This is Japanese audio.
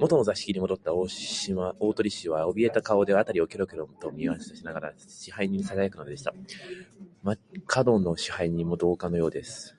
もとの座敷にもどった大鳥氏は、おびえた顔で、あたりをキョロキョロと見まわしながら、支配人にささやくのでした。門野支配人も同感のようです。